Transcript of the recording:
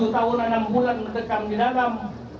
tujuh tahun enam bulan mendekam di dalam